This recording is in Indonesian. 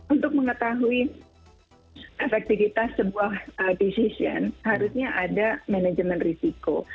untuk mengetahui efektivitas sebuah decision harusnya ada manajemen risiko